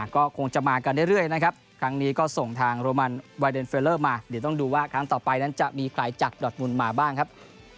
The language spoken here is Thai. ก็คงจะมากันเรื่อยนะครับครั้งนี้ก็ส่งทางโรมันไวเดนเฟลเลอร์มาเดี๋ยวต้องดูว่าครั้งต่อไปนั้นจะมีใครจับดอดมุนมาบ้างครับ